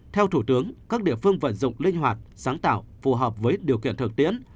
theo thủ tướng các địa phương vận dụng linh hoạt sáng tạo phù hợp với điều kiện thực tiễn